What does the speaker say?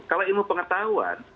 kalau ilmu pengetahuan